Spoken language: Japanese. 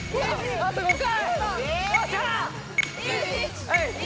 ・あと５回！